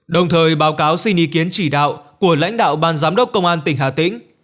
đồng thời báo cáo xin ý kiến chỉ đạo của lãnh đạo ban giám đốc công an tỉnh hà tĩnh